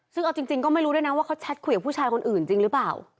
ซึ่งเอาจริงก็ไม่รู้ด้วยนะว่าเขาแชทคุยกับผู้ชายคนอื่นจริงหรือเปล่า